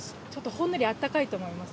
ほんのりあったかいと思います。